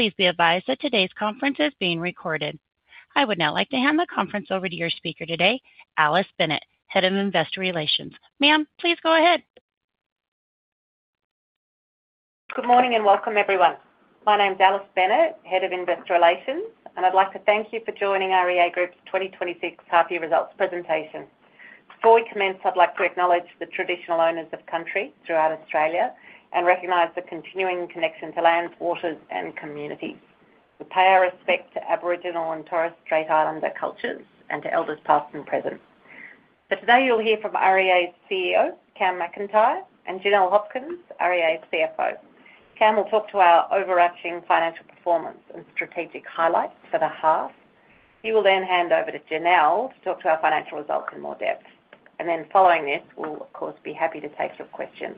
Please be advised that today's conference is being recorded. I would now like to hand the conference over to your speaker today, Alice Bennett, Head of Investor Relations. Ma'am, please go ahead. Good morning and welcome, everyone. My name's Alice Bennett, Head of Investor Relations, and I'd like to thank you for joining REA Group's 2026 Half Year Results presentation. Before we commence, I'd like to acknowledge the traditional owners of country throughout Australia and recognize the continuing connection to lands, waters, and communities. We pay our respect to Aboriginal and Torres Strait Islander cultures and to elders past and present. So today you'll hear from REA's CEO, Cam McIntyre, and Janelle Hopkins, REA's CFO. Cam will talk to our overarching financial performance and strategic highlights for the half. He will then hand over to Janelle to talk to our financial results in more depth. And then following this, we'll, of course, be happy to take your questions.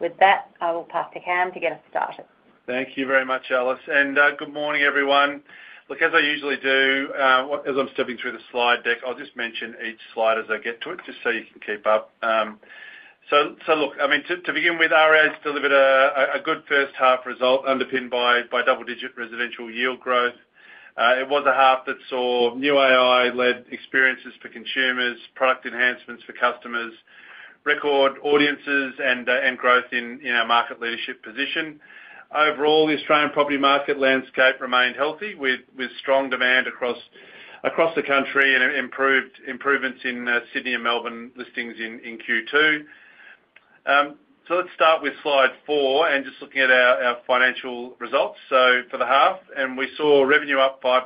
With that, I will pass to Cam to get us started. Thank you very much, Alice. And good morning, everyone. Look, as I usually do, as I'm stepping through the slide deck, I'll just mention each slide as I get to it just so you can keep up. So look, I mean, to begin with, REA's delivered a good first half result underpinned by double-digit residential yield growth. It was a half that saw new AI-led experiences for consumers, product enhancements for customers, record audiences, and growth in our market leadership position. Overall, the Australian property market landscape remained healthy with strong demand across the country and improvements in Sydney and Melbourne listings in Q2. So let's start with slide four and just looking at our financial results for the half. We saw revenue up 5%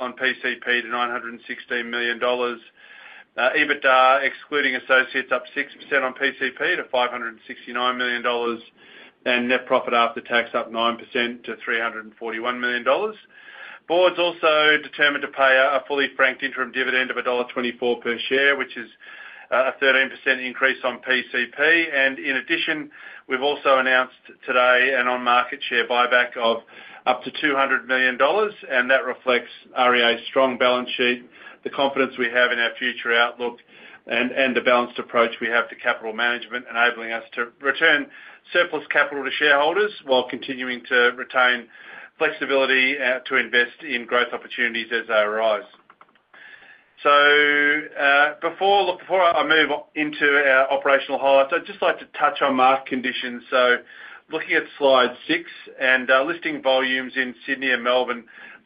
on PCP to 916 million dollars, EBITDA excluding associates up 6% on PCP to 569 million dollars, and net profit after tax up 9% to 341 million dollars. Board's also determined to pay a fully franked interim dividend of dollar 1.24 per share, which is a 13% increase on PCP. In addition, we've also announced today an on-market share buyback of up to 200 million dollars. That reflects REA's strong balance sheet, the confidence we have in our future outlook, and the balanced approach we have to capital management, enabling us to return surplus capital to shareholders while continuing to retain flexibility to invest in growth opportunities as they arise. So look, before I move into our operational highlights, I'd just like to touch on market conditions. Looking at slide six, listing volumes in Sydney and Melbourne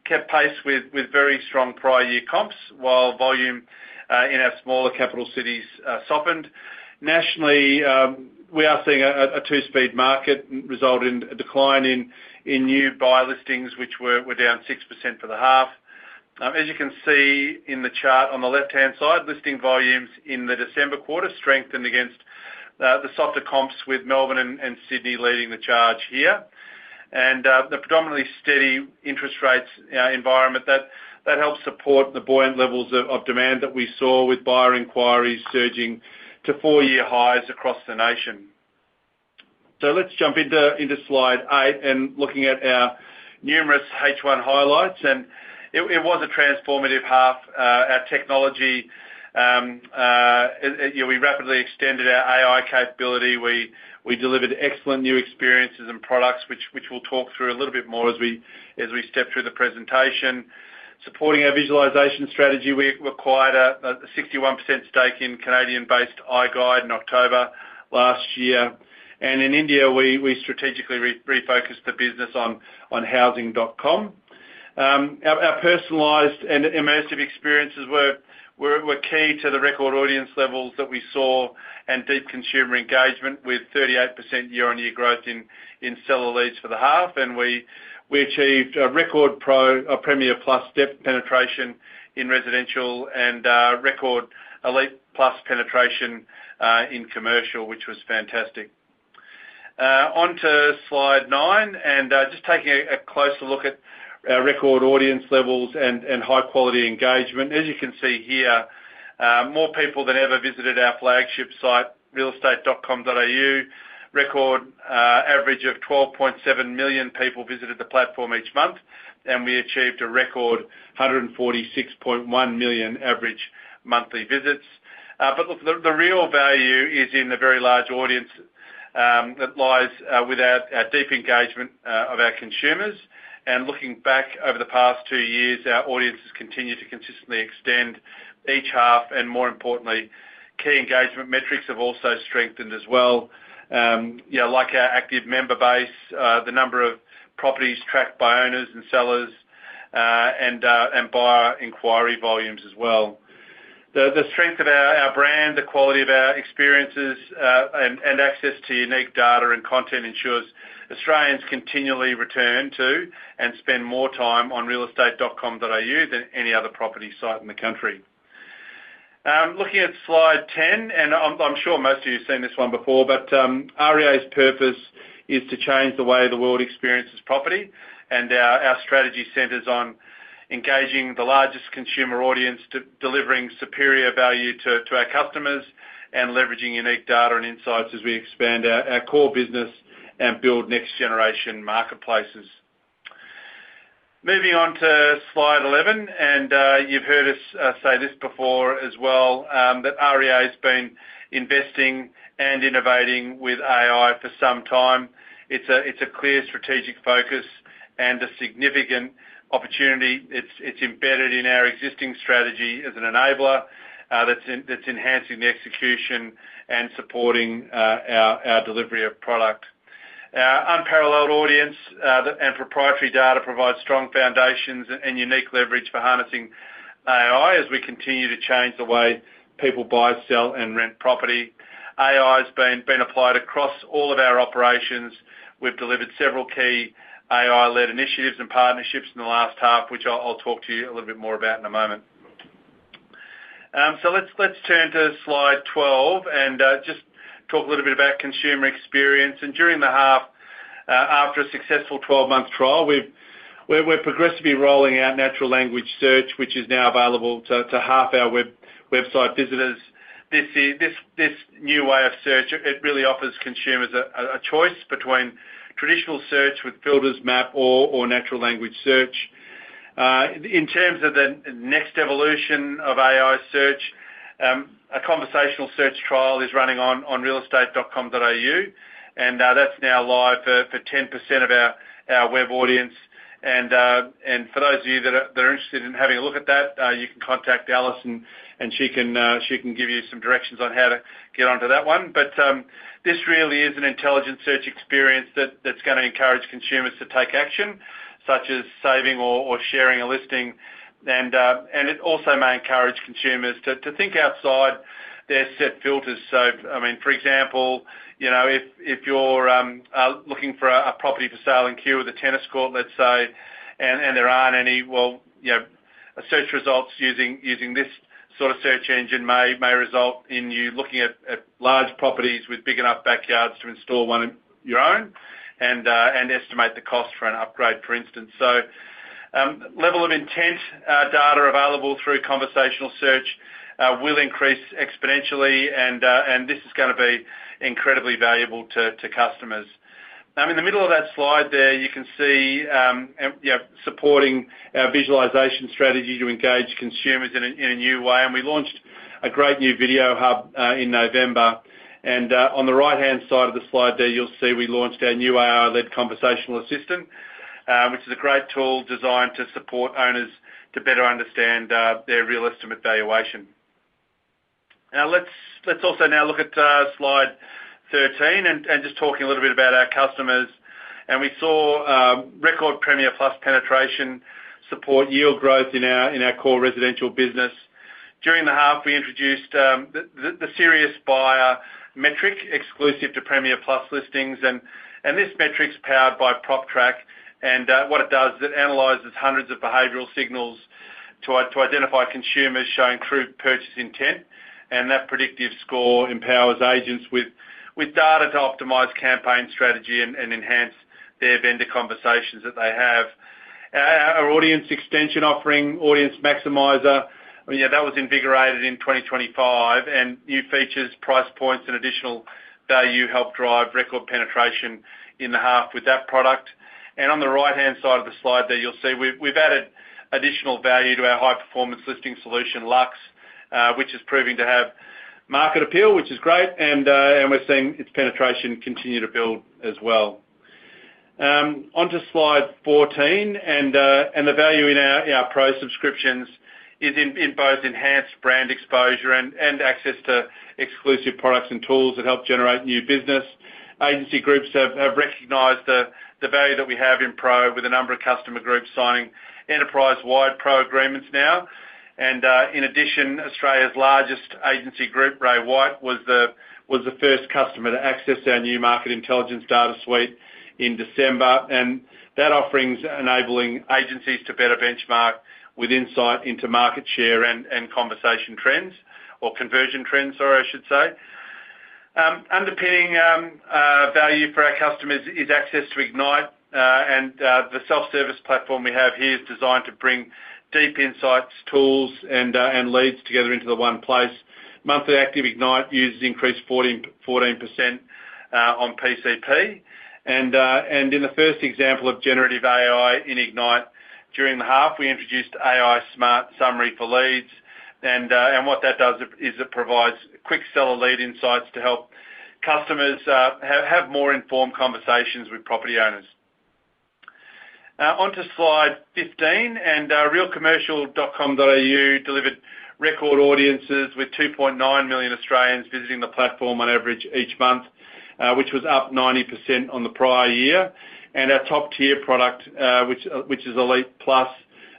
kept pace with very strong prior-year comps, while volume in our smaller capital cities softened. Nationally, we are seeing a two-speed market resulting in a decline in new buy listings, which were down 6% for the half. As you can see in the chart on the left-hand side, listing volumes in the December quarter strengthened against the softer comps, with Melbourne and Sydney leading the charge here. The predominantly steady interest rates environment that helps support the buoyant levels of demand that we saw with buyer inquiries surging to four-year highs across the nation. Let's jump into slide eight and looking at our numerous H1 highlights. It was a transformative half. Our technology, we rapidly extended our AI capability. We delivered excellent new experiences and products, which we'll talk through a little bit more as we step through the presentation. Supporting our visualization strategy, we acquired a 61% stake in Canadian-based iGUIDE in October last year. In India, we strategically refocused the business on Housing.com. Our personalized and immersive experiences were key to the record audience levels that we saw and deep consumer engagement with 38% year-on-year growth in seller leads for the half. We achieved a record Premiere+ depth penetration in residential and record Elite Plus penetration in commercial, which was fantastic. Onto slide nine. Just taking a closer look at our record audience levels and high-quality engagement. As you can see here, more people than ever visited our flagship site, realestate.com.au. Record average of 12.7 million people visited the platform each month, and we achieved a record 146.1 million average monthly visits. But look, the real value is in the very large audience that lies with our deep engagement of our consumers. And looking back over the past two years, our audiences continue to consistently extend each half. And more importantly, key engagement metrics have also strengthened as well, like our active member base, the number of properties tracked by owners and sellers, and buyer inquiry volumes as well. The strength of our brand, the quality of our experiences, and access to unique data and content ensures Australians continually return to and spend more time on realestate.com.au than any other property site in the country. Looking at slide 10, and I'm sure most of you have seen this one before, but REA's purpose is to change the way the world experiences property. Our strategy centers on engaging the largest consumer audience, delivering superior value to our customers, and leveraging unique data and insights as we expand our core business and build next-generation marketplaces. Moving on to slide 11. You've heard us say this before as well, that REA's been investing and innovating with AI for some time. It's a clear strategic focus and a significant opportunity. It's embedded in our existing strategy as an enabler that's enhancing the execution and supporting our delivery of product. Our unparalleled audience and proprietary data provide strong foundations and unique leverage for harnessing AI as we continue to change the way people buy, sell, and rent property. AI's been applied across all of our operations. We've delivered several key AI-led initiatives and partnerships in the last half, which I'll talk to you a little bit more about in a moment. So let's turn to slide 12 and just talk a little bit about consumer experience. During the half, after a successful 12-month trial, we're progressively rolling out natural language search, which is now available to half our website visitors. This new way of search, it really offers consumers a choice between traditional search with filters, map, or natural language search. In terms of the next evolution of AI search, a conversational search trial is running on realestate.com.au. That's now live for 10% of our web audience. For those of you that are interested in having a look at that, you can contact Alice, and she can give you some directions on how to get onto that one. This really is an intelligent search experience that's going to encourage consumers to take action, such as saving or sharing a listing. It also may encourage consumers to think outside their set filters. So I mean, for example, if you're looking for a property for sale in Kew off the tennis court, let's say, and there aren't any, well, search results using this sort of search engine may result in you looking at large properties with big enough backyards to install one of your own and estimate the cost for an upgrade, for instance. So level of intent data available through conversational search will increase exponentially, and this is going to be incredibly valuable to customers. Now, in the middle of that slide there, you can see supporting our visualization strategy to engage consumers in a new way. And we launched a great new video hub in November. On the right-hand side of the slide there, you'll see we launched our new AI-led conversational assistant, which is a great tool designed to support owners to better understand their real estate valuation. Now, let's also now look at slide 13 and just talking a little bit about our customers. We saw record Premiere+ penetration support yield growth in our core residential business. During the half, we introduced the serious buyer metric exclusive to Premiere+ listings. This metric's powered by PropTrack. What it does, it analyzes hundreds of behavioral signals to identify consumers showing true purchase intent. That predictive score empowers agents with data to optimize campaign strategy and enhance their vendor conversations that they have. Our audience extension offering, Audience Maximiser, that was invigorated in 2025. New features, price points, and additional value helped drive record penetration in the half with that product. On the right-hand side of the slide there, you'll see we've added additional value to our high-performance listing solution, Luxe, which is proving to have market appeal, which is great. We're seeing its penetration continue to build as well. Onto slide 14. The value in our Pro subscriptions is in both enhanced brand exposure and access to exclusive products and tools that help generate new business. Agency groups have recognized the value that we have in Pro with a number of customer groups signing enterprise-wide Pro agreements now. In addition, Australia's largest agency group, Ray White, was the first customer to access our new market intelligence data suite in December. That offering's enabling agencies to better benchmark with insight into market share and conversation trends or conversion trends, sorry, I should say. Underpinning value for our customers is access to Ignite. The self-service platform we have here is designed to bring deep insights, tools, and leads together into the one place. Monthly active Ignite uses increased 14% on PCP. In the first example of generative AI in Ignite during the half, we introduced AI Smart Summary for leads. What that does is it provides quick seller lead insights to help customers have more informed conversations with property owners. Onto slide 15. realcommercial.com.au delivered record audiences with 2.9 million Australians visiting the platform on average each month, which was up 90% on the prior year. Our top-tier product, which is Elite Plus,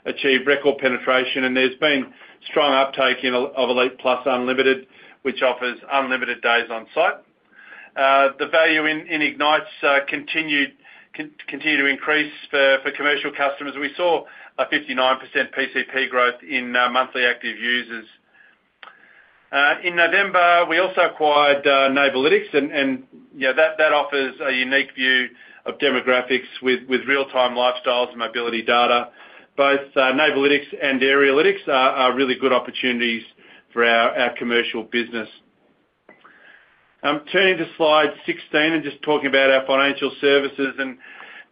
achieved record penetration. There's been strong uptake of Elite Plus Unlimited, which offers unlimited days on-site. The value in Ignite's continued to increase for commercial customers. We saw a 59% PCP growth in monthly active users. In November, we also acquired Neighbourlytics. That offers a unique view of demographics with real-time lifestyles and mobility data. Both Neighbourlytics and Arealytics are really good opportunities for our commercial business. Turning to slide 16 and just talking about our financial services.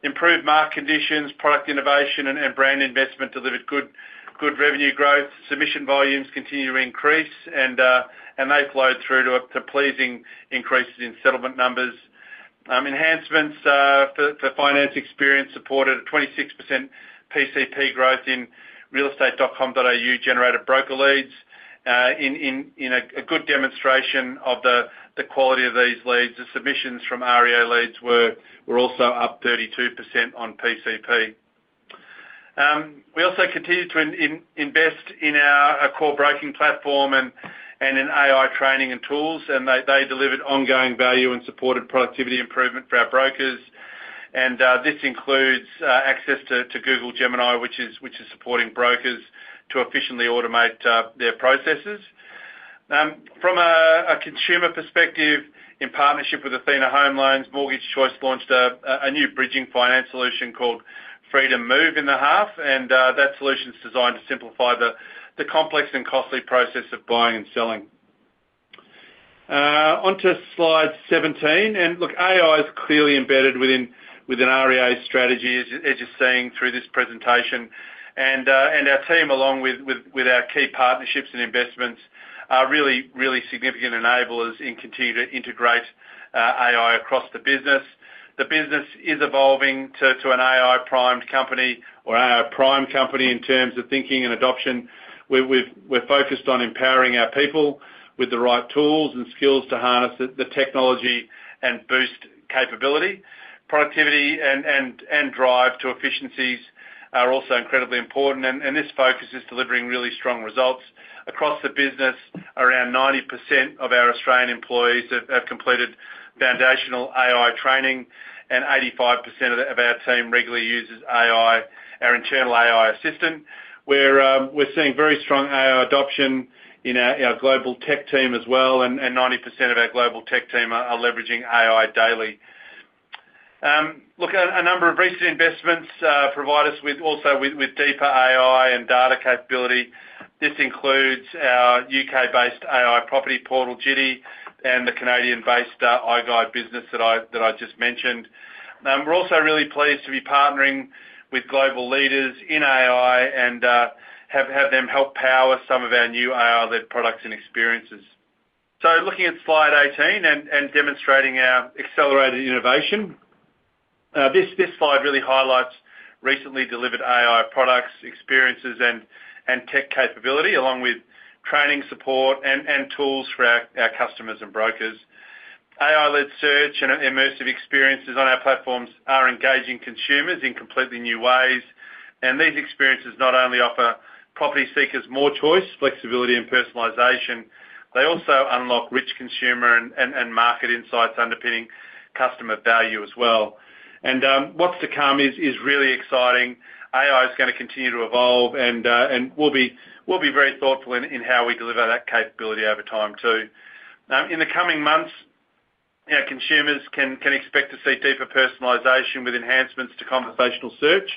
Improved market conditions, product innovation, and brand investment delivered good revenue growth. Submission volumes continue to increase, and they flowed through to a pleasing increase in settlement numbers. Enhancements for finance experience supported a 26% PCP growth in realestate.com.au-generated broker leads, in a good demonstration of the quality of these leads. The submissions from REA leads were also up 32% on PCP. We also continue to invest in our core broking platform and in AI training and tools. They delivered ongoing value and supported productivity improvement for our brokers. This includes access to Google Gemini, which is supporting brokers to efficiently automate their processes. From a consumer perspective, in partnership with Athena Home Loans, Mortgage Choice launched a new bridging finance solution called Freedom Move in the half. That solution's designed to simplify the complex and costly process of buying and selling. Onto slide 17. Look, AI's clearly embedded within REA's strategy, as you're seeing through this presentation. Our team, along with our key partnerships and investments, are really, really significant enablers in continuing to integrate AI across the business. The business is evolving to an AI-primed company or an AI-prime company in terms of thinking and adoption. We're focused on empowering our people with the right tools and skills to harness the technology and boost capability. Productivity and drive to efficiencies are also incredibly important. This focus is delivering really strong results across the business. Around 90% of our Australian employees have completed foundational AI training, and 85% of our team regularly uses AI, our internal AI assistant. We're seeing very strong AI adoption in our global tech team as well, and 90% of our global tech team are leveraging AI daily. Look, a number of recent investments provide us also with deeper AI and data capability. This includes our U.K.-based AI property portal, Jitty, and the Canadian-based iGUIDE business that I just mentioned. We're also really pleased to be partnering with global leaders in AI and have them help power some of our new AI-led products and experiences. Looking at slide 18 and demonstrating our accelerated innovation, this slide really highlights recently delivered AI products, experiences, and tech capability, along with training support and tools for our customers and brokers. AI-led search and immersive experiences on our platforms are engaging consumers in completely new ways. These experiences not only offer property seekers more choice, flexibility, and personalization, they also unlock rich consumer and market insights underpinning customer value as well. What's to come is really exciting. AI's going to continue to evolve, and we'll be very thoughtful in how we deliver that capability over time too. In the coming months, our consumers can expect to see deeper personalization with enhancements to conversational search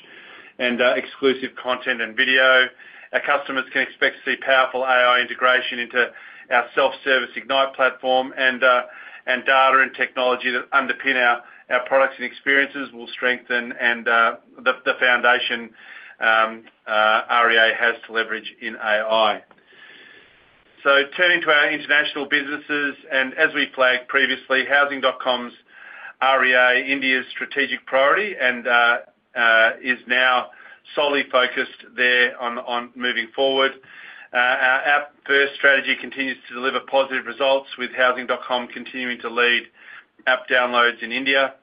and exclusive content and video. Our customers can expect to see powerful AI integration into our self-service Ignite platform. Data and technology that underpin our products and experiences will strengthen the foundation REA has to leverage in AI. Turning to our international businesses. As we flagged previously, Housing.com, REA India's strategic priority, is now solely focused there on moving forward. Our app first strategy continues to deliver positive results with Housing.com continuing to lead app downloads in India.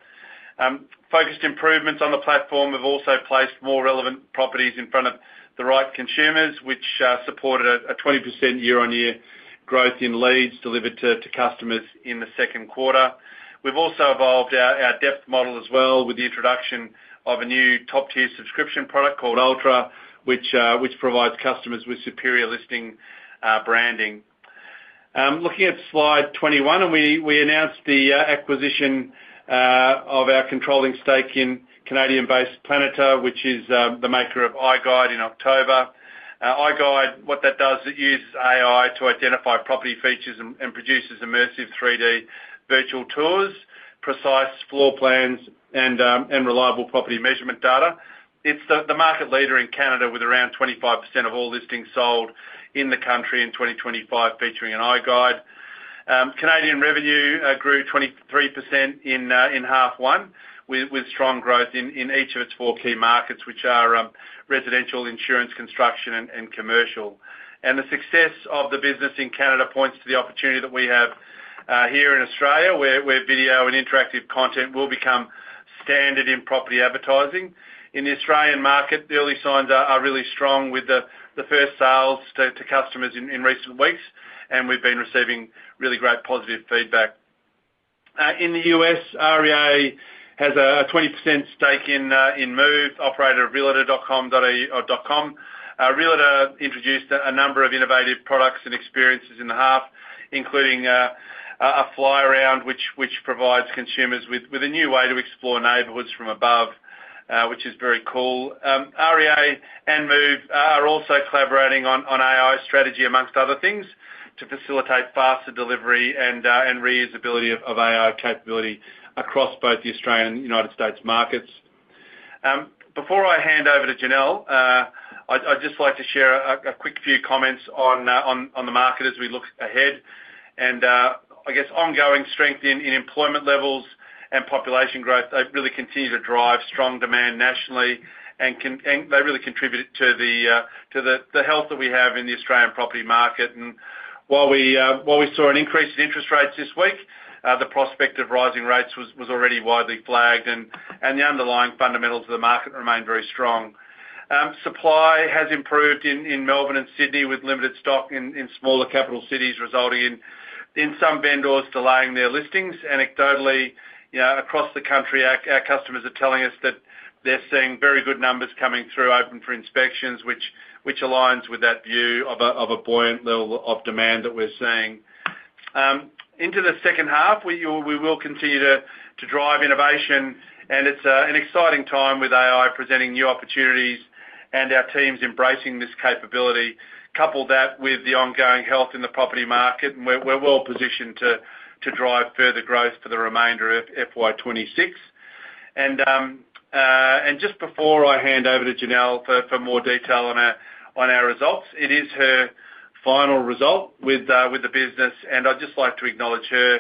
Focused improvements on the platform have also placed more relevant properties in front of the right consumers, which supported a 20% year-on-year growth in leads delivered to customers in the second quarter. We've also evolved our depth model as well with the introduction of a new top-tier subscription product called Ultra, which provides customers with superior listing branding. Looking at slide 21, we announced the acquisition of our controlling stake in Canadian-based Planitar, which is the maker of iGUIDE, in October. iGUIDE, what that does, it uses AI to identify property features and produces immersive 3D virtual tours, precise floor plans, and reliable property measurement data. It's the market leader in Canada with around 25% of all listings sold in the country in 2025 featuring an iGUIDE. Canadian revenue grew 23% in half one with strong growth in each of its four key markets, which are residential, insurance, construction, and commercial. And the success of the business in Canada points to the opportunity that we have here in Australia, where video and interactive content will become standard in property advertising. In the Australian market, the early signs are really strong with the first sales to customers in recent weeks. And we've been receiving really great positive feedback. In the U.S., REA has a 20% stake in Move, operator of realtor.com. realtor.com introduced a number of innovative products and experiences in the half, including a FlyAround which provides consumers with a new way to explore neighborhoods from above, which is very cool. REA and Move are also collaborating on AI strategy, among other things, to facilitate faster delivery and reusability of AI capability across both the Australian and United States markets. Before I hand over to Janelle, I'd just like to share a quick few comments on the market as we look ahead. And I guess ongoing strength in employment levels and population growth, they really continue to drive strong demand nationally, and they really contribute to the health that we have in the Australian property market. And while we saw an increase in interest rates this week, the prospect of rising rates was already widely flagged, and the underlying fundamentals of the market remained very strong. Supply has improved in Melbourne and Sydney with limited stock in smaller capital cities, resulting in some vendors delaying their listings. Anecdotally, across the country, our customers are telling us that they're seeing very good numbers coming through, open for inspections, which aligns with that view of a buoyant level of demand that we're seeing. Into the second half, we will continue to drive innovation. It's an exciting time with AI presenting new opportunities and our teams embracing this capability. Couple that with the ongoing health in the property market, and we're well positioned to drive further growth for the remainder of FY 2026. Just before I hand over to Janelle for more detail on our results, it is her final result with the business. I'd just like to acknowledge her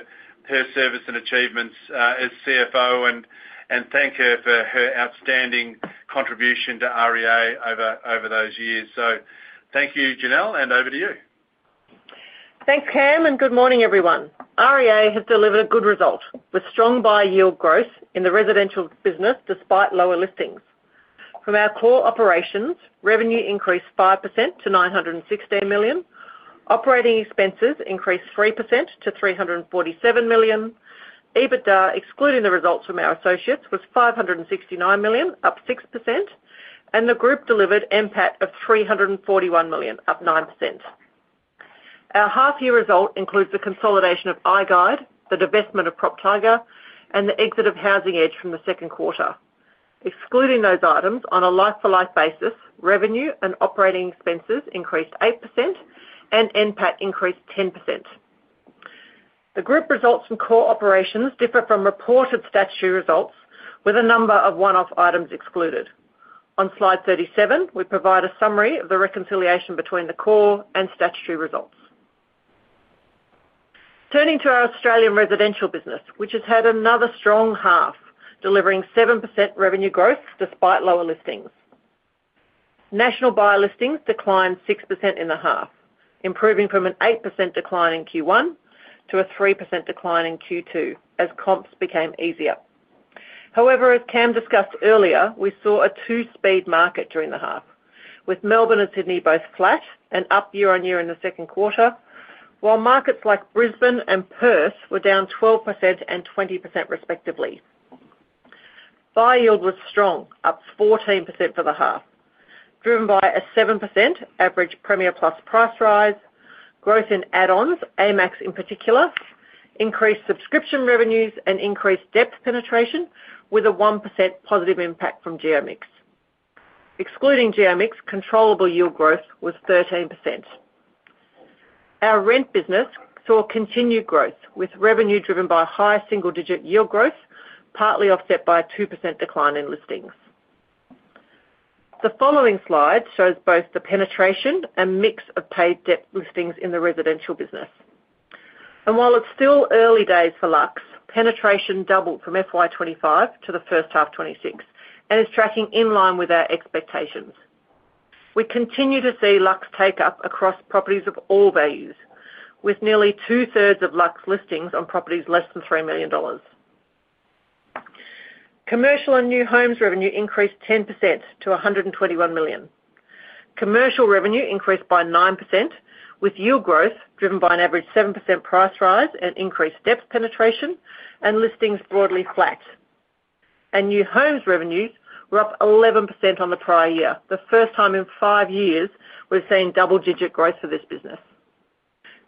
service and achievements as CFO and thank her for her outstanding contribution to REA over those years. Thank you, Janelle, and over to you. Thanks, Cam, and good morning, everyone. REA has delivered a good result with strong buy yield growth in the residential business despite lower listings. From our core operations, revenue increased 5% to 916 million. Operating expenses increased 3% to 347 million. EBITDA, excluding the results from our associates, was 569 million, up 6%. And the group delivered NPAT of 341 million, up 9%. Our half-year result includes the consolidation of iGUIDE, the divestment of PropTiger, and the exit of Housing Edge from the second quarter. Excluding those items, on a like-for-like basis, revenue and operating expenses increased 8%, and NPAT increased 10%. The group results from core operations differ from reported statutory results with a number of one-off items excluded. On slide 37, we provide a summary of the reconciliation between the core and statutory results. Turning to our Australian residential business, which has had another strong half, delivering 7% revenue growth despite lower listings. National buyer listings declined 6% in the half, improving from an 8% decline in Q1 to a 3% decline in Q2 as comps became easier. However, as Cam discussed earlier, we saw a two-speed market during the half, with Melbourne and Sydney both flat and up year-on-year in the second quarter, while markets like Brisbane and Perth were down 12% and 20% respectively. Buy yield was strong, up 14% for the half, driven by a 7% average Premiere+ price rise, growth in add-ons, AMAX in particular, increased subscription revenues, and increased depth penetration with a 1% positive impact from geo mix. Excluding geo mix, controllable yield growth was 13%. Our rent business saw continued growth with revenue driven by high single-digit yield growth, partly offset by a 2% decline in listings. The following slide shows both the penetration and mix of paid depth listings in the residential business. While it's still early days for Luxe, penetration doubled from FY 2025 to the first half 2026 and is tracking in line with our expectations. We continue to see Luxe take up across properties of all values, with nearly two-thirds of Luxe listings on properties less than 3 million dollars. Commercial and new homes revenue increased 10% to 121 million. Commercial revenue increased by 9% with yield growth driven by an average 7% price rise and increased depth penetration, and listings broadly flat. New homes revenues were up 11% on the prior year, the first time in five years we're seeing double-digit growth for this business.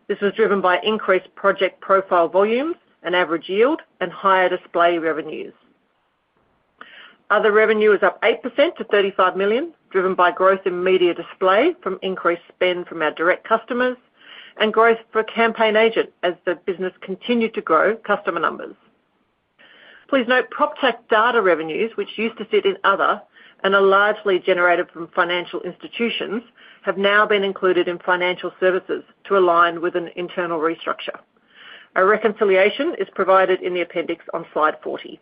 This was driven by increased project profile volumes and average yield and higher display revenues. Other revenue was up 8% to 35 million, driven by growth in media display from increased spend from our direct customers and growth for Campaign Agent as the business continued to grow customer numbers. Please note, PropTrack data revenues, which used to sit in other and are largely generated from financial institutions, have now been included in financial services to align with an internal restructure. A reconciliation is provided in the appendix on slide 40.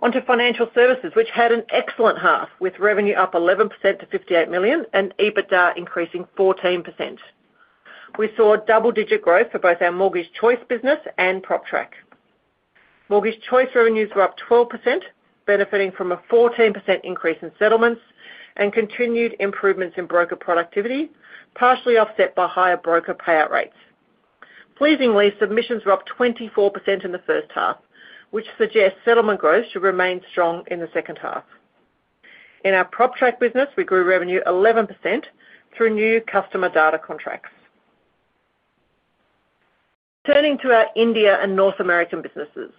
Onto financial services, which had an excellent half with revenue up 11% to 58 million and EBITDA increasing 14%. We saw double-digit growth for both our Mortgage Choice business and PropTrack. Mortgage Choice revenues were up 12%, benefiting from a 14% increase in settlements and continued improvements in broker productivity, partially offset by higher broker payout rates. Pleasingly, submissions were up 24% in the first half, which suggests settlement growth should remain strong in the second half. In our PropTrack business, we grew revenue 11% through new customer data contracts. Turning to our India and North American businesses.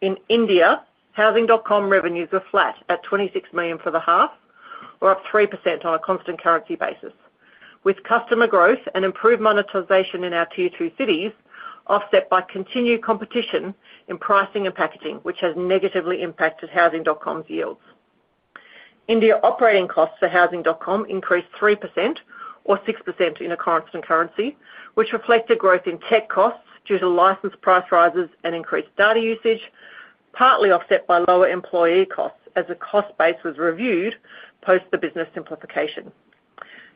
In India, Housing.com revenues were flat at 26 million for the half, or up 3% on a constant currency basis, with customer growth and improved monetization in our Tier 2 cities offset by continued competition in pricing and packaging, which has negatively impacted Housing.com's yields. India operating costs for Housing.com increased 3% or 6% in a constant currency, which reflected growth in tech costs due to license price rises and increased data usage, partly offset by lower employee costs as the cost base was reviewed post the business simplification.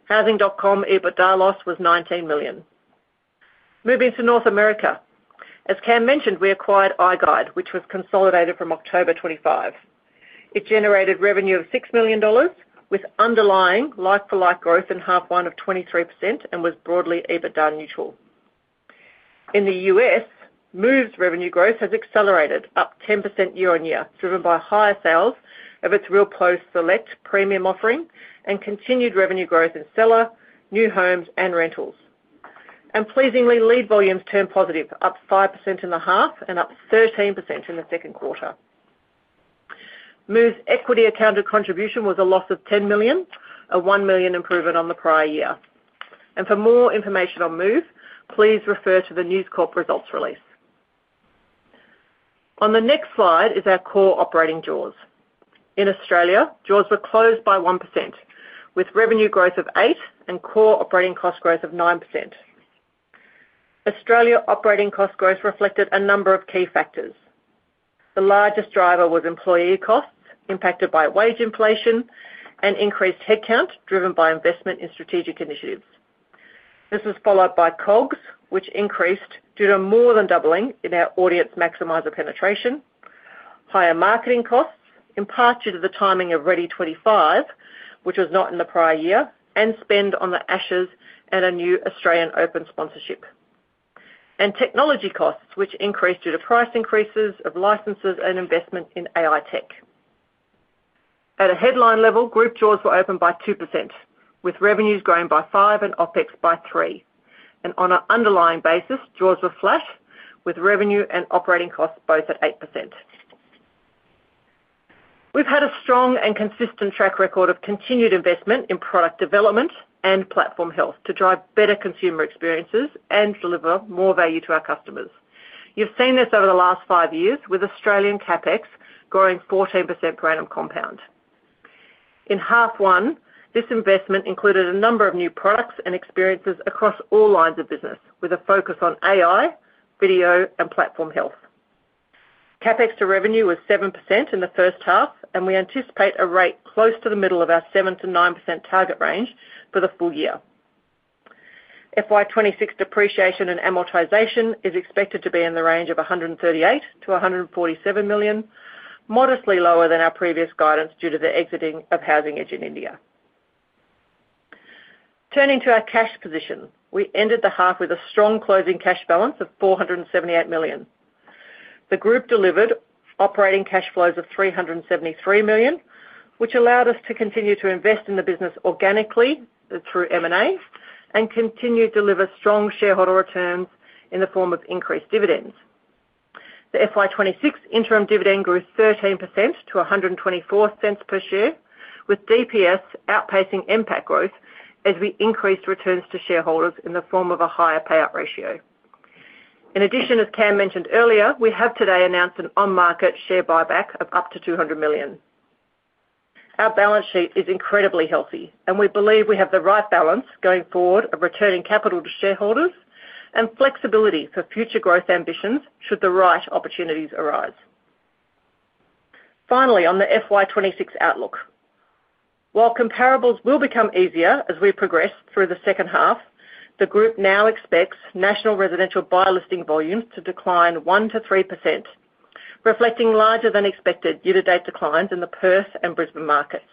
Housing.com EBITDA loss was 19 million. Moving to North America. As Cam mentioned, we acquired iGUIDE, which was consolidated from October 2025. It generated revenue of 6 million dollars with underlying like-for-like growth in half one of 23% and was broadly EBITDA neutral. In the U.S., Move's revenue growth has accelerated, up 10% year-on-year, driven by higher sales of its RealPro Select, premium offering, and continued revenue growth in seller, new homes, and rentals. And pleasingly, lead volumes turned positive, up 5% in the half and up 13% in the second quarter. Move's equity accounted contribution was a loss of 10 million, a 1 million improvement on the prior year. And for more information on Move, please refer to the News Corp results release. On the next slide is our core operating jaws. In Australia, jaws were closed by 1%, with revenue growth of 8% and core operating cost growth of 9%. Australian operating cost growth reflected a number of key factors. The largest driver was employee costs impacted by wage inflation and increased headcount driven by investment in strategic initiatives. This was followed by COGS, which increased due to more than doubling in our Audience Maximiser penetration, higher marketing costs in part due to the timing of REA 2025, which was not in the prior year, and spend on the Ashes and a new Australian Open sponsorship. Technology costs, which increased due to price increases of licenses and investment in AI Tech. At a headline level, Group jaws were open by 2%, with revenues growing by 5% and OpEx by 3%. On an underlying basis, jaws were flat, with revenue and operating costs both at 8%. We've had a strong and consistent track record of continued investment in product development and platform health to drive better consumer experiences and deliver more value to our customers. You've seen this over the last five years, with Australian CapEx growing 14% per annum compound. In half one, this investment included a number of new products and experiences across all lines of business, with a focus on AI, video, and platform health. CapEx to revenue was 7% in the first half, and we anticipate a rate close to the middle of our 7%-9% target range for the full year. FY 2026 depreciation and amortization is expected to be in the range of 138 million-147 million, modestly lower than our previous guidance due to the exiting of Housing Edge in India. Turning to our cash position, we ended the half with a strong closing cash balance of 478 million. The group delivered operating cash flows of 373 million, which allowed us to continue to invest in the business organically through M&A and continue to deliver strong shareholder returns in the form of increased dividends. The FY 2026 interim dividend grew 13% to 1.24 per share, with DPS outpacing NPAT growth as we increased returns to shareholders in the form of a higher payout ratio. In addition, as Cam mentioned earlier, we have today announced an on-market share buyback of up to 200 million. Our balance sheet is incredibly healthy, and we believe we have the right balance going forward of returning capital to shareholders and flexibility for future growth ambitions should the right opportunities arise. Finally, on the FY 2026 outlook. While comparables will become easier as we progress through the second half, the group now expects national residential buyer listing volumes to decline 1%-3%, reflecting larger-than-expected year-to-date declines in the Perth and Brisbane markets.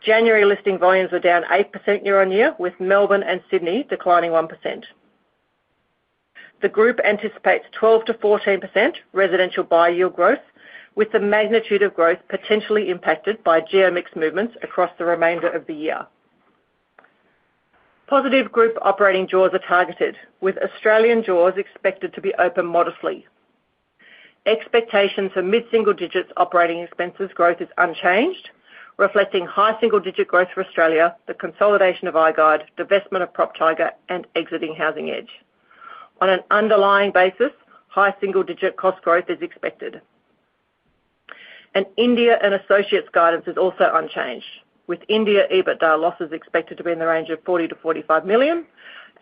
January listing volumes were down 8% year-on-year, with Melbourne and Sydney declining 1%. The group anticipates 12%-14% residential buyer yield growth, with the magnitude of growth potentially impacted by geo mix movements across the remainder of the year. Positive group operating jaws are targeted, with Australian jaws expected to be open modestly. Expectation for mid-single-digit operating expenses growth is unchanged, reflecting high single-digit growth for Australia, the consolidation of iGUIDE, divestment of PropTiger, and exiting Housing Edge. On an underlying basis, high single-digit cost growth is expected. India and associates guidance is also unchanged, with India EBITDA losses expected to be in the range of 40 million-45 million,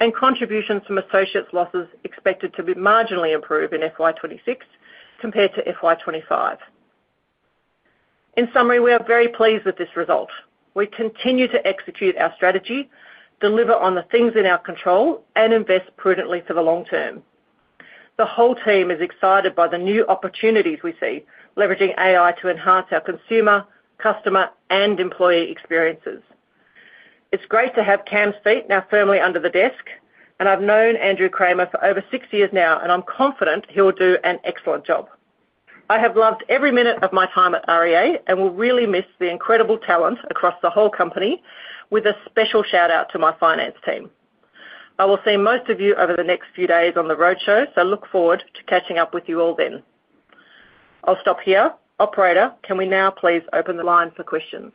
and contributions from associates losses expected to be marginally improved in FY 2026 compared to FY 2025. In summary, we are very pleased with this result. We continue to execute our strategy, deliver on the things in our control, and invest prudently for the long term. The whole team is excited by the new opportunities we see, leveraging AI to enhance our consumer, customer, and employee experiences. It's great to have Cam's feet now firmly under the desk, and I've known Andrew Cramer for over six years now, and I'm confident he'll do an excellent job. I have loved every minute of my time at REA and will really miss the incredible talent across the whole company, with a special shout-out to my finance team. I will see most of you over the next few days on the roadshow, so look forward to catching up with you all then. I'll stop here. Operator, can we now please open the line for questions?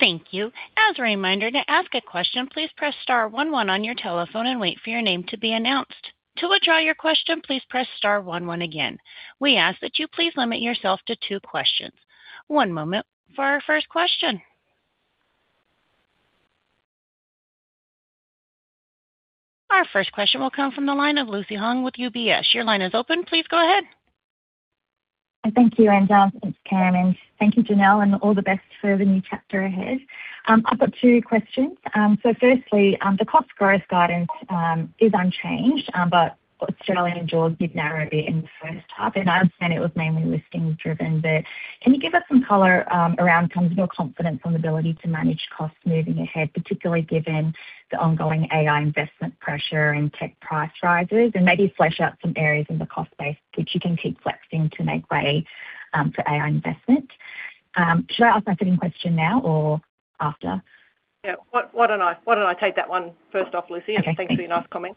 Thank you. As a reminder, to ask a question, please press star one one on your telephone and wait for your name to be announced. To withdraw your question, please press star one one again. We ask that you please limit yourself to two questions. One moment for our first question. Our first question will come from the line of Lucy Huang with UBS. Your line is open. Please go ahead. Thank you, Angela. Thanks, Cam. And thank you, Janelle, and all the best for the new chapter ahead. I've got two questions. So firstly, the cost growth guidance is unchanged, but Australian jaws did narrow a bit in the first half, and I understand it was mainly listings-driven. But can you give us some color around your confidence on the ability to manage costs moving ahead, particularly given the ongoing AI investment pressure and tech price rises, and maybe flesh out some areas in the cost base which you can keep flexing to make way for AI investment? Should I ask my sitting question now or after? Yeah. Why don't I take that one first off, Lucy? Okay. Thanks for your nice comment.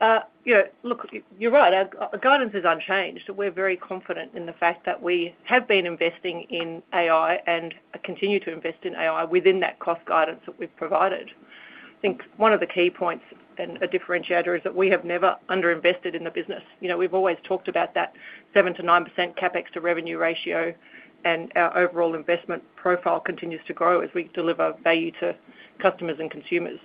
Yeah. Look, you're right. Guidance is unchanged, and we're very confident in the fact that we have been investing in AI and continue to invest in AI within that cost guidance that we've provided. I think one of the key points and a differentiator is that we have never underinvested in the business. We've always talked about that 7%-9% CapEx to revenue ratio, and our overall investment profile continues to grow as we deliver value to customers and consumers.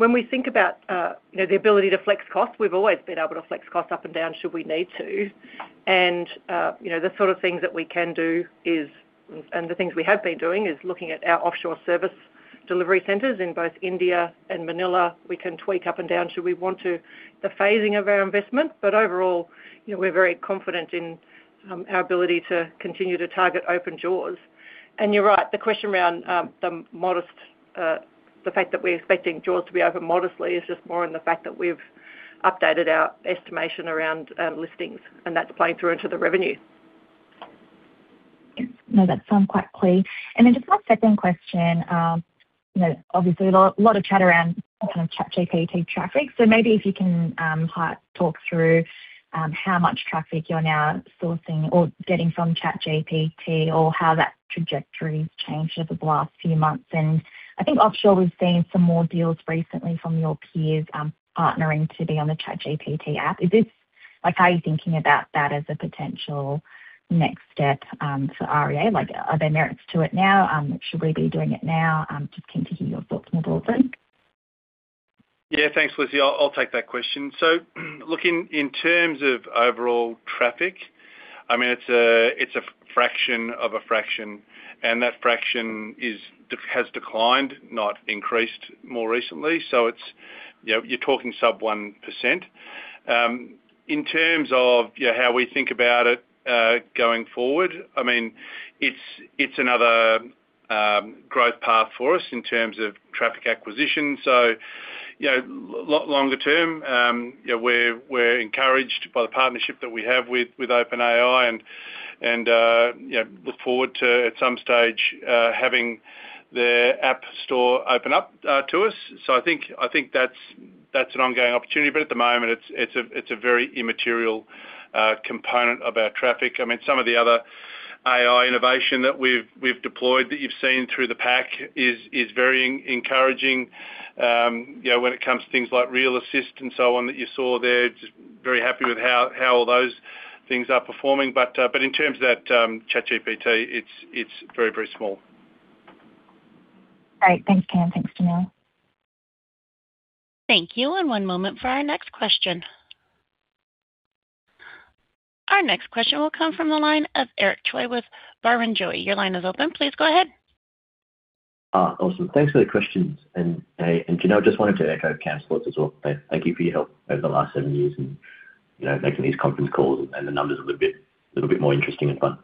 When we think about the ability to flex costs, we've always been able to flex costs up and down should we need to. The sort of things that we can do is and the things we have been doing is looking at our offshore service delivery centers in both India and Manila. We can tweak up and down should we want to the phasing of our investment. But overall, we're very confident in our ability to continue to target open jaws. And you're right. The question around the fact that we're expecting jaws to be open modestly is just more in the fact that we've updated our estimation around listings, and that's playing through into the revenue. Yes. No, that sounds quite clear. And then just my second question. Obviously, a lot of chat around kind of ChatGPT traffic. So maybe if you can talk through how much traffic you're now sourcing or getting from ChatGPT or how that trajectory's changed over the last few months. And I think offshore we've seen some more deals recently from your peers partnering to be on the ChatGPT app. How are you thinking about that as a potential next step for REA? Are there merits to it now? Should we be doing it now? Just keen to hear your thoughts more broadly. Yeah. Thanks, Lucy. I'll take that question. So looking in terms of overall traffic, I mean, it's a fraction of a fraction, and that fraction has declined, not increased, more recently. So you're talking sub 1%. In terms of how we think about it going forward, I mean, it's another growth path for us in terms of traffic acquisition. So longer term, we're encouraged by the partnership that we have with OpenAI and look forward to, at some stage, having their app store open up to us. So I think that's an ongoing opportunity. But at the moment, it's a very immaterial component of our traffic. I mean, some of the other AI innovation that we've deployed that you've seen through the pack is very encouraging when it comes to things like realAssist and so on that you saw there. Just very happy with how all those things are performing. But in terms of that ChatGPT, it's very, very small. Great. Thanks, Cam. Thanks, Janelle. Thank you. One moment for our next question. Our next question will come from the line of Eric Choi with Barrenjoey. Your line is open. Please go ahead. Awesome. Thanks for the questions. Janelle, just wanted to echo Cam's thoughts as well. Thank you for your help over the last seven years in making these conference calls, and the numbers are a little bit more interesting and fun.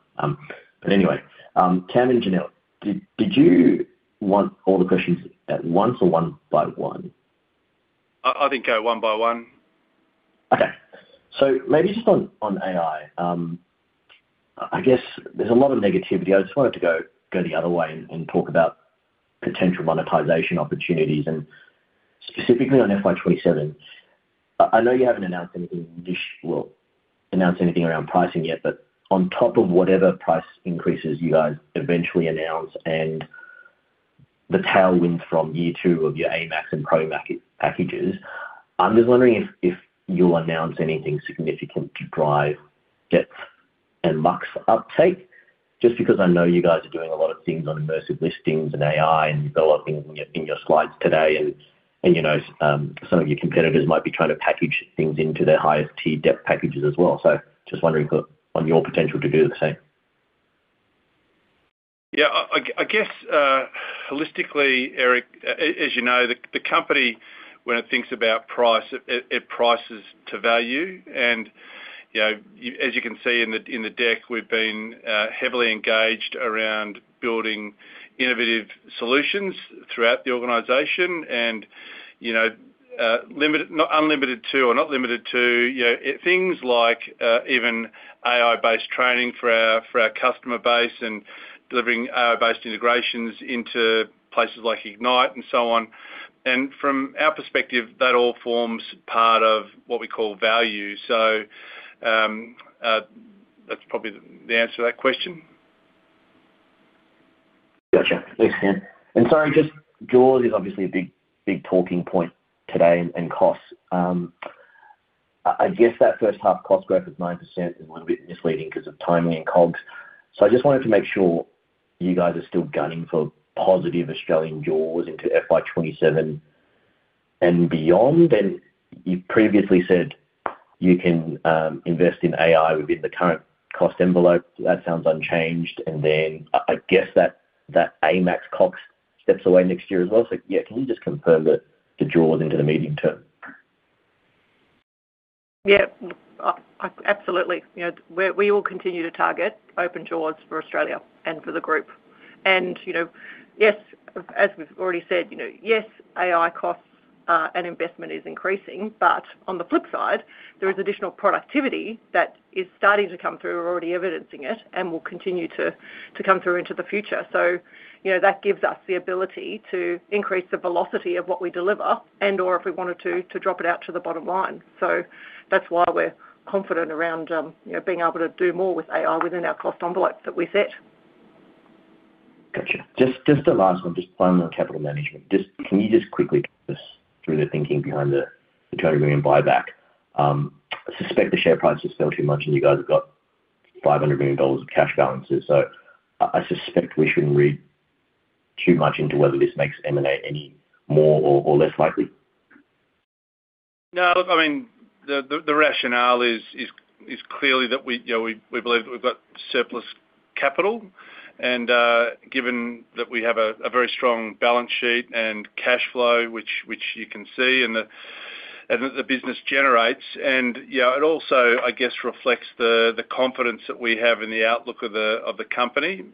But anyway, Cam and Janelle, did you want all the questions at once or one by one? I think one by one. Okay. So maybe just on AI. I guess there's a lot of negativity. I just wanted to go the other way and talk about potential monetization opportunities, and specifically on FY 2027. I know you haven't announced anything around pricing yet, but on top of whatever price increases you guys eventually announce and the tailwinds from year two of your AMAX and ProMAX packages, I'm just wondering if you'll announce anything significant to drive depth and MAX uptake, just because I know you guys are doing a lot of things on immersive listings and AI and developing in your slides today, and some of your competitors might be trying to package things into their highest-tier depth packages as well. So just wondering on your potential to do the same. Yeah. I guess holistically, Eric, as you know, the company, when it thinks about price, it prices to value. And as you can see in the deck, we've been heavily engaged around building innovative solutions throughout the organization and unlimited to or not limited to things like even AI-based training for our customer base and delivering AI-based integrations into places like Ignite and so on. And from our perspective, that all forms part of what we call value. So that's probably the answer to that question. Gotcha. Thanks, Cam. And sorry, just jaws is obviously a big talking point today and costs. I guess that first half cost growth of 9% is a little bit misleading because of timing and COGS. So I just wanted to make sure you guys are still gunning for positive Australian jaws into FY 2027 and beyond. And you previously said you can invest in AI within the current cost envelope. That sounds unchanged. And then I guess that AMAX COGS steps away next year as well. So yeah, can you just confirm the jaws into the medium term? Yeah. Absolutely. We all continue to target open jaws for Australia and for the group. And yes, as we've already said, yes, AI costs and investment is increasing. But on the flip side, there is additional productivity that is starting to come through. We're already evidencing it and will continue to come through into the future. So that gives us the ability to increase the velocity of what we deliver and/or if we wanted to, to drop it out to the bottom line. So that's why we're confident around being able to do more with AI within our cost envelope that we set. Gotcha. Just the last one, just primarily capital management. Can you just quickly walk us through the thinking behind the 200 million buyback. I suspect the share price has fell too much, and you guys have got 500 million dollars of cash balances. So I suspect we shouldn't read too much into whether this makes M&A any more or less likely. No. Look, I mean, the rationale is clearly that we believe that we've got surplus capital. And given that we have a very strong balance sheet and cash flow, which you can see and that the business generates, and it also, I guess, reflects the confidence that we have in the outlook of the company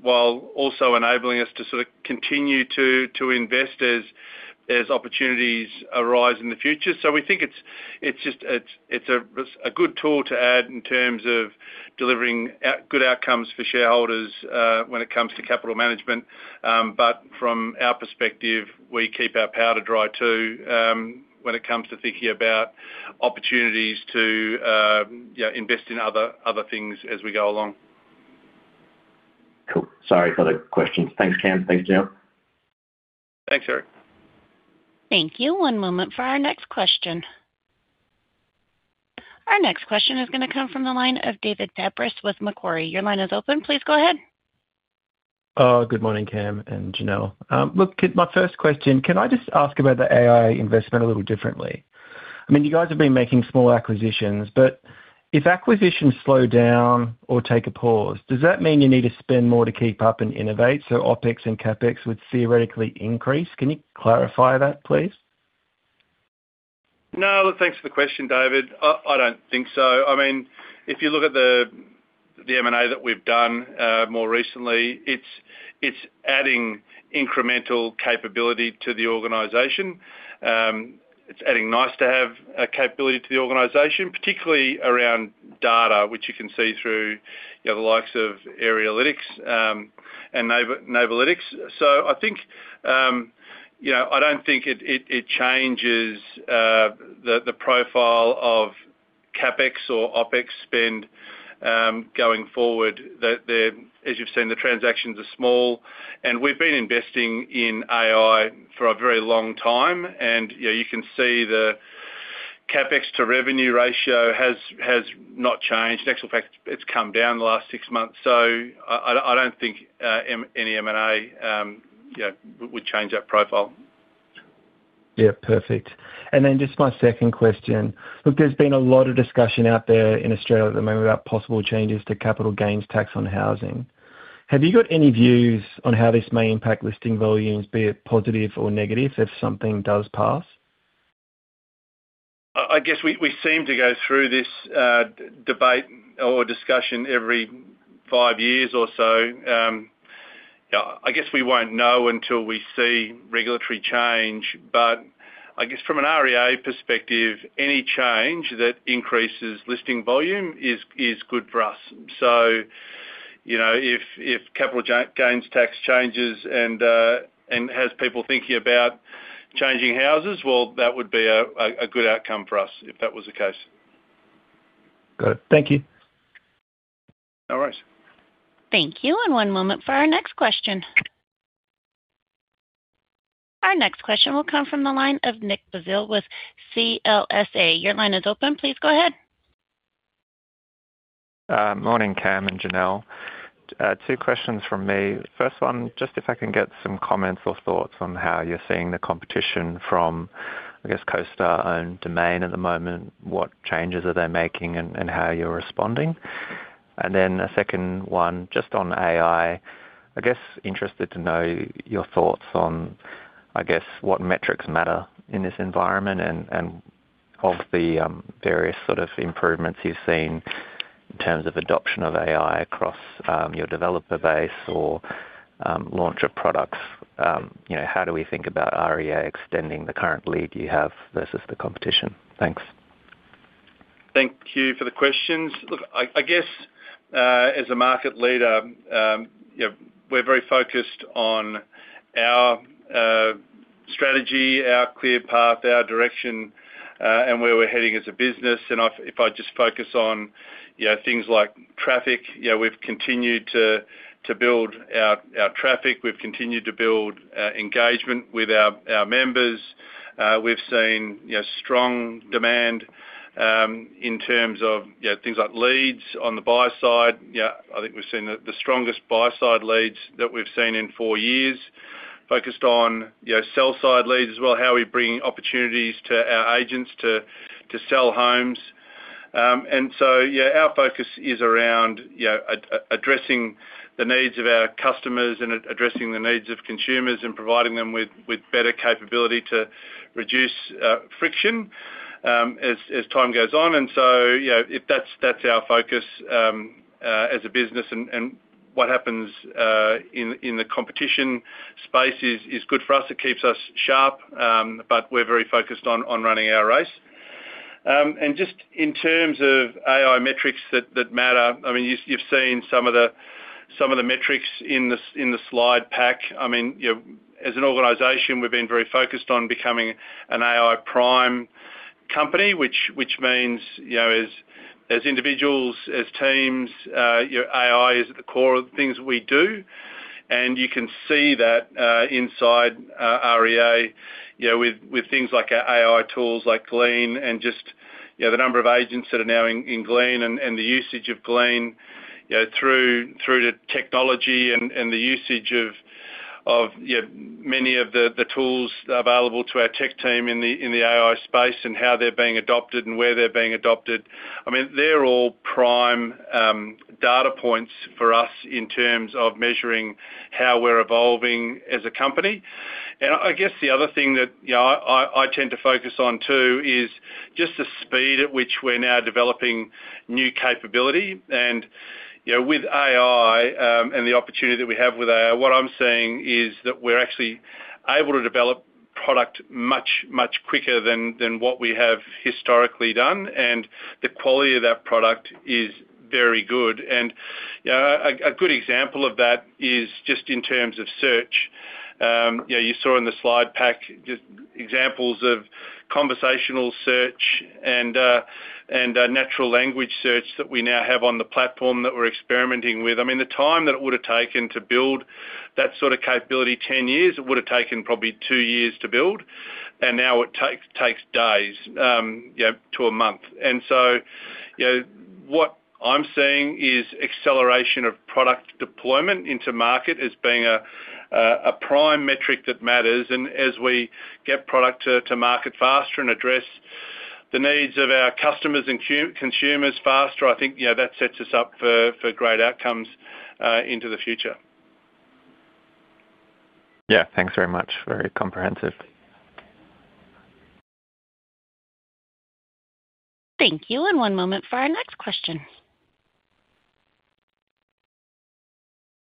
while also enabling us to sort of continue to invest as opportunities arise in the future. So we think it's just a good tool to add in terms of delivering good outcomes for shareholders when it comes to capital management. But from our perspective, we keep our powder dry too when it comes to thinking about opportunities to invest in other things as we go along. Cool. Sorry for the questions. Thanks, Cam. Thanks, Janelle. Thanks, Eric. Thank you. One moment for our next question. Our next question is going to come from the line of David Fabris with Macquarie. Your line is open. Please go ahead. Good morning, Cam and Janelle. Look, my first question, can I just ask about the AI investment a little differently? I mean, you guys have been making small acquisitions, but if acquisitions slow down or take a pause, does that mean you need to spend more to keep up and innovate so OpEx and CapEx would theoretically increase? Can you clarify that, please? No. Look, thanks for the question, David. I don't think so. I mean, if you look at the M&A that we've done more recently, it's adding incremental capability to the organization. It's adding nice-to-have capability to the organization, particularly around data, which you can see through the likes of Arealytics and Neighbourlytics. So I don't think it changes the profile of CapEx or OpEx spend going forward. As you've seen, the transactions are small, and we've been investing in AI for a very long time. And you can see the CapEx to revenue ratio has not changed. In actual fact, it's come down the last six months. So I don't think any M&A would change that profile. Yeah. Perfect. Then just my second question. Look, there's been a lot of discussion out there in Australia at the moment about possible changes to capital gains tax on housing. Have you got any views on how this may impact listing volumes, be it positive or negative, if something does pass? I guess we seem to go through this debate or discussion every five years or so. I guess we won't know until we see regulatory change. But I guess from an REA perspective, any change that increases listing volume is good for us. So if capital gains tax changes and has people thinking about changing houses, well, that would be a good outcome for us if that was the case. Got it. Thank you. All right. Thank you. One moment for our next question. Our next question will come from the line of Nick Basile with CLSA. Your line is open. Please go ahead. Morning, Cam and Janelle. Two questions from me. First one, just if I can get some comments or thoughts on how you're seeing the competition from, I guess, CoStar-owned Domain at the moment, what changes are they making and how you're responding. And then a second one, just on AI, I guess interested to know your thoughts on, I guess, what metrics matter in this environment and of the various sort of improvements you've seen in terms of adoption of AI across your developer base or launch of products. How do we think about REA extending the current lead you have versus the competition? Thanks. Thank you for the questions. Look, I guess as a market leader, we're very focused on our strategy, our clear path, our direction, and where we're heading as a business. And if I just focus on things like traffic, we've continued to build our traffic. We've continued to build engagement with our members. We've seen strong demand in terms of things like leads on the buy side. I think we've seen the strongest buy side leads that we've seen in four years, focused on sell side leads as well, how we bring opportunities to our agents to sell homes. And so our focus is around addressing the needs of our customers and addressing the needs of consumers and providing them with better capability to reduce friction as time goes on. And so that's our focus as a business. And what happens in the competition space is good for us. It keeps us sharp, but we're very focused on running our race. Just in terms of AI metrics that matter, I mean, you've seen some of the metrics in the slide pack. I mean, as an organization, we've been very focused on becoming an AI prime company, which means as individuals, as teams, AI is at the core of the things we do. You can see that inside REA with things like AI tools like Glean and just the number of agents that are now in Glean and the usage of Glean through to technology and the usage of many of the tools available to our tech team in the AI space and how they're being adopted and where they're being adopted. I mean, they're all prime data points for us in terms of measuring how we're evolving as a company. I guess the other thing that I tend to focus on too is just the speed at which we're now developing new capability. With AI and the opportunity that we have with AI, what I'm seeing is that we're actually able to develop product much, much quicker than what we have historically done. The quality of that product is very good. A good example of that is just in terms of search. You saw in the slide pack just examples of conversational search and natural language search that we now have on the platform that we're experimenting with. I mean, the time that it would have taken to build that sort of capability 10 years, it would have taken probably two years to build. Now it takes days to a month. What I'm seeing is acceleration of product deployment into market as being a prime metric that matters. As we get product to market faster and address the needs of our customers and consumers faster, I think that sets us up for great outcomes into the future. Yeah. Thanks very much. Very comprehensive. Thank you. One moment for our next question.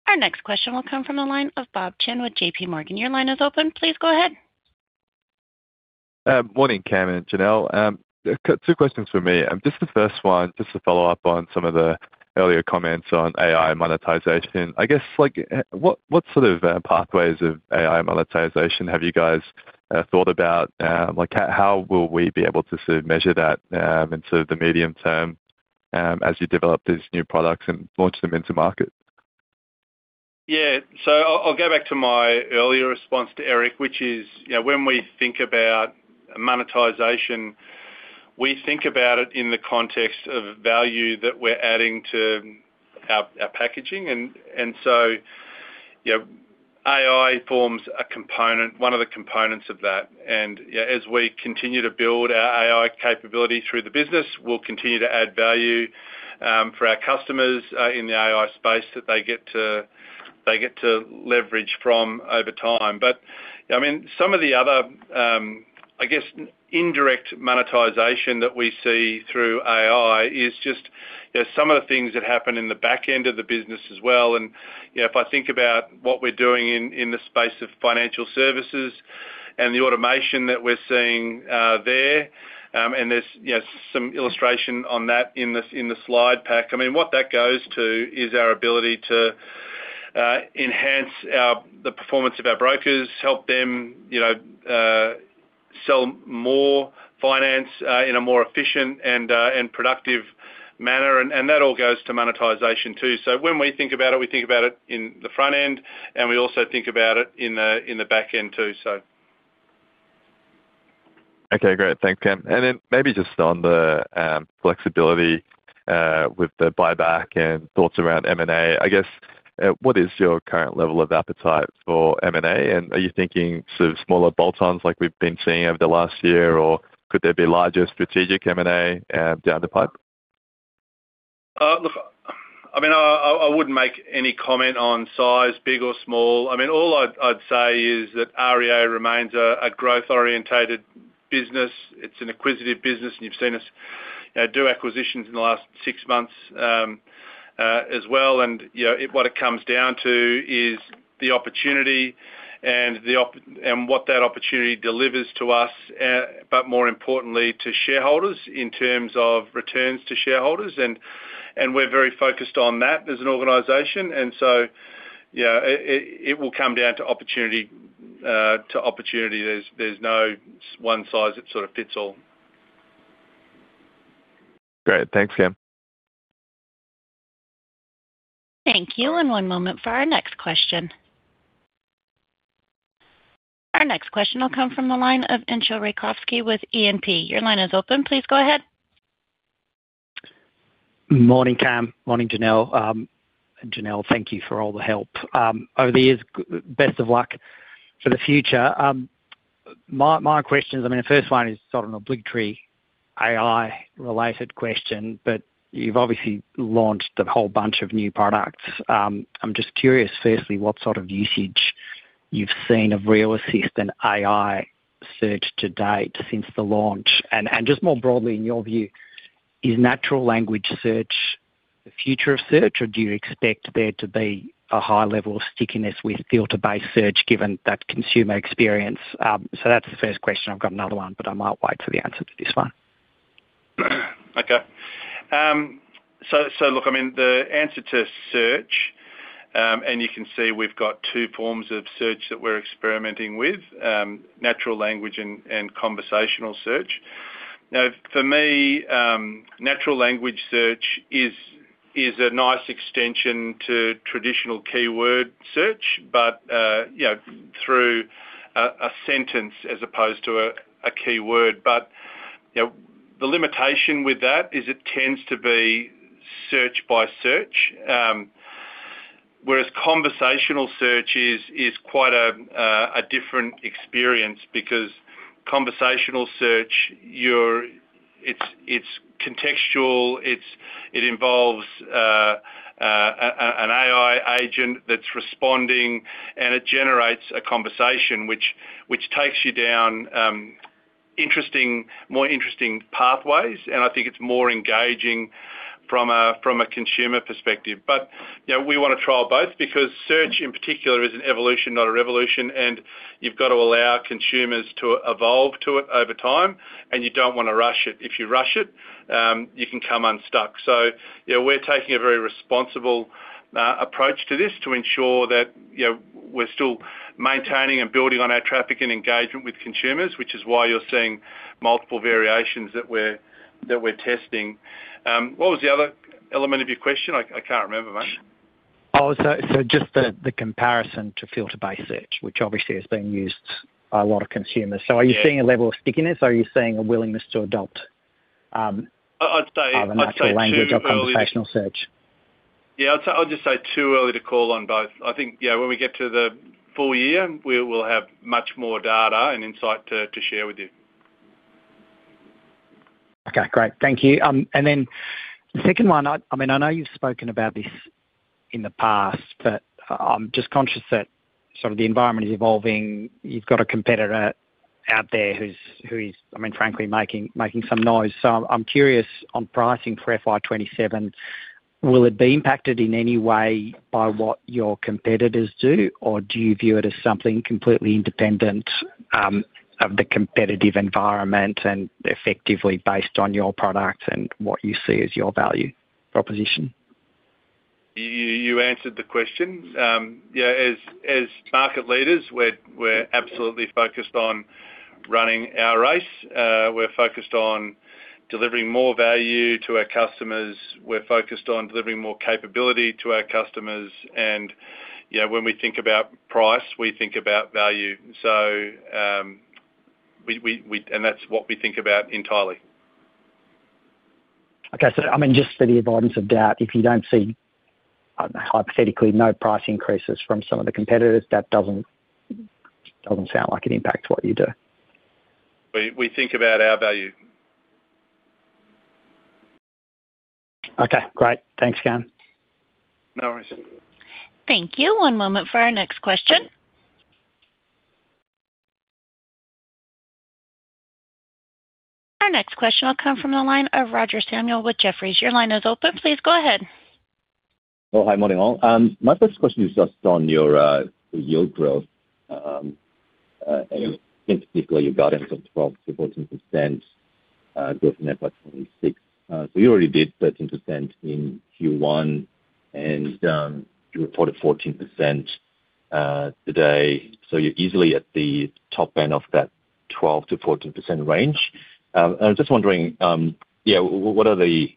Our next question will come from the line of Bob Chen with JPMorgan. Your line is open. Please go ahead. Morning, Cam and Janelle. Two questions for me. Just the first one, just to follow up on some of the earlier comments on AI monetization. I guess what sort of pathways of AI monetization have you guys thought about? How will we be able to sort of measure that in sort of the medium term as you develop these new products and launch them into market? Yeah. So I'll go back to my earlier response to Eric, which is when we think about monetization, we think about it in the context of value that we're adding to our packaging. And so AI forms one of the components of that. And as we continue to build our AI capability through the business, we'll continue to add value for our customers in the AI space that they get to leverage from over time. But I mean, some of the other, I guess, indirect monetization that we see through AI is just some of the things that happen in the back end of the business as well. If I think about what we're doing in the space of financial services and the automation that we're seeing there, and there's some illustration on that in the slide pack, I mean, what that goes to is our ability to enhance the performance of our brokers, help them sell more finance in a more efficient and productive manner. And that all goes to monetization too. So when we think about it, we think about it in the front end, and we also think about it in the back end too, so. Okay. Great. Thanks, Cam. Then maybe just on the flexibility with the buyback and thoughts around M&A, I guess what is your current level of appetite for M&A? And are you thinking sort of smaller bolt-ons like we've been seeing over the last year, or could there be larger strategic M&A down the pipe? Look, I mean, I wouldn't make any comment on size, big or small. I mean, all I'd say is that REA remains a growth-oriented business. It's an acquisitive business, and you've seen us do acquisitions in the last six months as well. What it comes down to is the opportunity and what that opportunity delivers to us, but more importantly, to shareholders in terms of returns to shareholders. We're very focused on that as an organization. So it will come down to opportunity to opportunity. There's no one size that sort of fits all. Great. Thanks, Cam. Thank you. One moment for our next question. Our next question will come from the line of Entcho Raykovski with E&P. Your line is open. Please go ahead. Morning, Cam. Morning, Janelle. And Janelle, thank you for all the help over the years. Best of luck for the future. My questions, I mean, the first one is sort of an obligatory AI-related question, but you've obviously launched a whole bunch of new products. I'm just curious, firstly, what sort of usage you've seen of realAssist and AI search to date since the launch. And just more broadly, in your view, is natural language search the future of search, or do you expect there to be a high level of stickiness with filter-based search given that consumer experience? So that's the first question. I've got another one, but I might wait for the answer to this one. Okay. So look, I mean, the answer to search, and you can see we've got two forms of search that we're experimenting with, natural language and conversational search. Now, for me, natural language search is a nice extension to traditional keyword search, but through a sentence as opposed to a keyword. But the limitation with that is it tends to be search by search, whereas conversational search is quite a different experience because conversational search, it's contextual. It involves an AI agent that's responding, and it generates a conversation which takes you down more interesting pathways. And I think it's more engaging from a consumer perspective. But we want to trial both because search, in particular, is an evolution, not a revolution. And you've got to allow consumers to evolve to it over time, and you don't want to rush it. If you rush it, you can come unstuck. So we're taking a very responsible approach to this to ensure that we're still maintaining and building on our traffic and engagement with consumers, which is why you're seeing multiple variations that we're testing. What was the other element of your question? I can't remember, mate. Oh, so just the comparison to filter-based search, which obviously is being used by a lot of consumers. So are you seeing a level of stickiness? Are you seeing a willingness to adopt either one? I'd say natural language or conversational search. Yeah. I'd just say too early to call on both. I think when we get to the full year, we'll have much more data and insight to share with you. Okay. Great. Thank you. And then the second one, I mean, I know you've spoken about this in the past, but I'm just conscious that sort of the environment is evolving. You've got a competitor out there who is, I mean, frankly, making some noise. So I'm curious on pricing for FY 2027, will it be impacted in any way by what your competitors do, or do you view it as something completely independent of the competitive environment and effectively based on your product and what you see as your value proposition? You answered the question. Yeah. As market leaders, we're absolutely focused on running our race. We're focused on delivering more value to our customers. We're focused on delivering more capability to our customers. And when we think about price, we think about value. And that's what we think about entirely. Okay. So I mean, just for the avoidance of doubt, if you don't see, hypothetically, no price increases from some of the competitors, that doesn't sound like it impacts what you do. We think about our value. Okay. Great. Thanks, Cam. No worries. Thank you. One moment for our next question. Our next question will come from the line of Roger Samuel with Jefferies. Your line is open. Please go ahead. Oh, hi. Morning, all. My first question is just on your yield growth. In particular, you got into 12%-14% growth net by 2026. So you already did 13% in Q1, and you reported 14% today. So you're easily at the top end of that 12%-14% range. I'm just wondering, yeah, what are the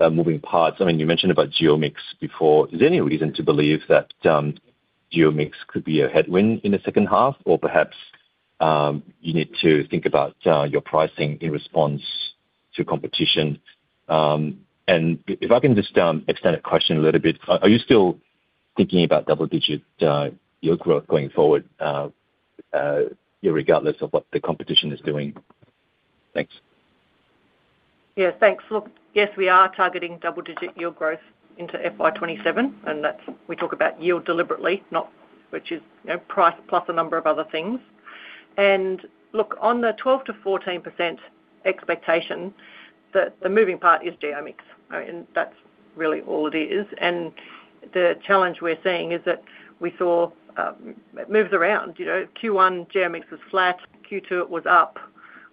moving parts? I mean, you mentioned about geo mix before. Is there any reason to believe that geo mix could be a headwind in the second half, or perhaps you need to think about your pricing in response to competition? If I can just extend the question a little bit, are you still thinking about double-digit yield growth going forward regardless of what the competition is doing? Thanks. Yeah. Thanks. Look, yes, we are targeting double-digit yield growth into FY 2027. And we talk about yield deliberately, which is price plus a number of other things. And look, on the 12%-14% expectation, the moving part is geo mix. I mean, that's really all it is. And the challenge we're seeing is that we saw it moves around. Q1, geo mix was flat. Q2, it was up.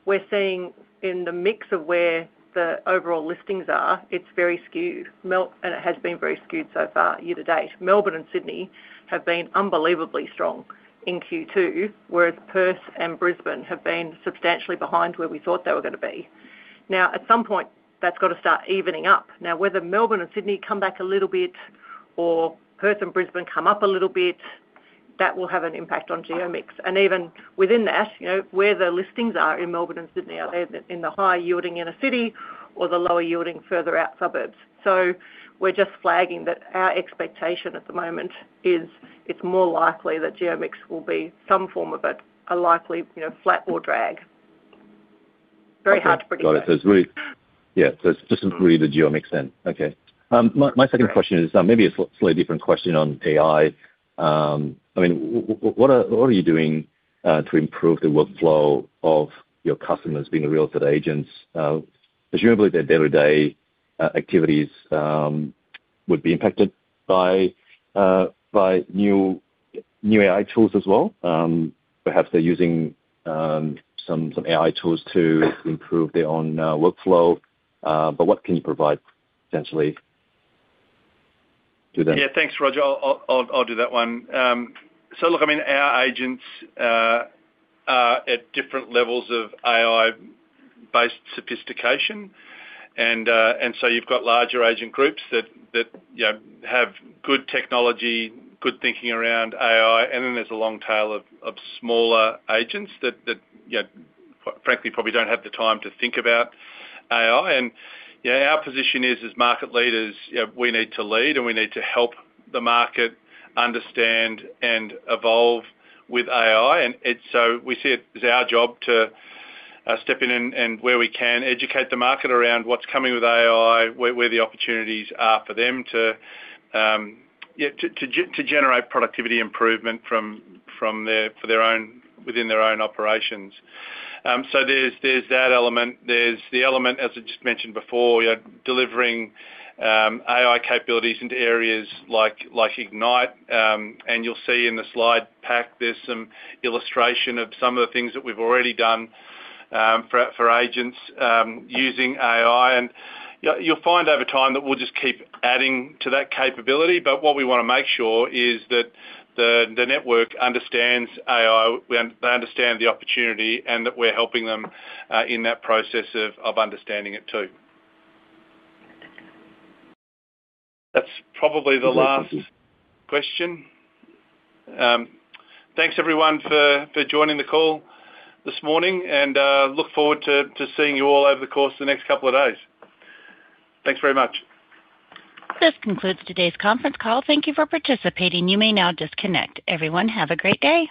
We're seeing in the mix of where the overall listings are, it's very skewed. And it has been very skewed so far year to date. Melbourne and Sydney have been unbelievably strong in Q2, whereas Perth and Brisbane have been substantially behind where we thought they were going to be. Now, at some point, that's got to start evening up. Now, whether Melbourne and Sydney come back a little bit or Perth and Brisbane come up a little bit, that will have an impact on geo mix. And even within that, where the listings are in Melbourne and Sydney, are they in the higher yielding inner city or the lower yielding further out suburbs? So we're just flagging that our expectation at the moment is it's more likely that geo mix will be some form of a likely flat or drag. Very hard to predict. Got it. Yeah. So it's just really the geo mix then. Okay. My second question is maybe a slightly different question on AI. I mean, what are you doing to improve the workflow of your customers being real estate agents? Presumably, their day-to-day activities would be impacted by new AI tools as well. Perhaps they're using some AI tools to improve their own workflow. But what can you provide, potentially, to them? Yeah. Thanks, Roger. I'll do that one. So look, I mean, our agents are at different levels of AI-based sophistication. And so you've got larger agent groups that have good technology, good thinking around AI. And then there's a long tail of smaller agents that, frankly, probably don't have the time to think about AI. And our position is, as market leaders, we need to lead, and we need to help the market understand and evolve with AI. And so we see it as our job to step in and, where we can, educate the market around what's coming with AI, where the opportunities are for them to generate productivity improvement within their own operations. So there's that element. There's the element, as I just mentioned before, delivering AI capabilities into areas like Ignite. You'll see in the slide pack, there's some illustration of some of the things that we've already done for agents using AI. And you'll find over time that we'll just keep adding to that capability. But what we want to make sure is that the network understands AI, they understand the opportunity, and that we're helping them in that process of understanding it too. That's probably the last question. Thanks, everyone, for joining the call this morning. And look forward to seeing you all over the course of the next couple of days. Thanks very much. This concludes today's conference call. Thank you for participating. You may now disconnect. Everyone, have a great day.